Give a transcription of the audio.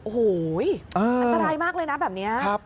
โอ้โหอันตรายมากเลยนะแบบนี้